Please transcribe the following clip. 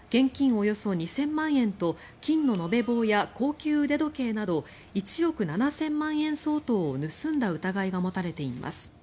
およそ２０００万円と金の延べ棒や高級腕時計など１億７０００万円相当を盗んだ疑いが持たれています。